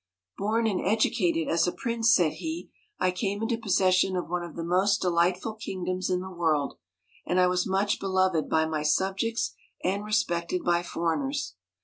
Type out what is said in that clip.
4 Born and educated as a prince,' said he, * I came into possession of one of the most delightful king doms in the world, and I was much beloved by my subjects and respected by foreigners.